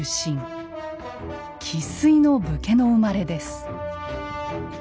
生っ粋の武家の生まれです。